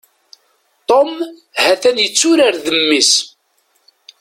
Tom ha-t-an yetturar d mmi-s.